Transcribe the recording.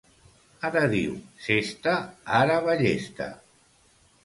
Ara diu «cesta», ara ballesta.